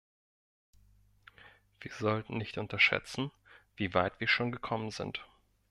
Wir sollten nicht unterschätzen, wie weit wir schon gekommen sind.